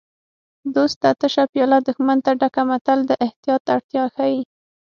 دوست ته تشه پیاله دښمن ته ډکه متل د احتیاط اړتیا ښيي